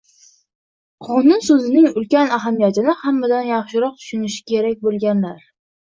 «qonun» so‘zining ulkan ahamiyatini hammadan yaxshiroq tushunishi kerak bo‘lganlar?»